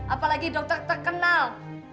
apalagi dokter terkenal